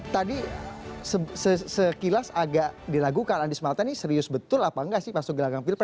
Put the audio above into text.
tadi sekilas agak diragukan anies mata ini serius betul apa enggak sih masuk gelanggang pilpres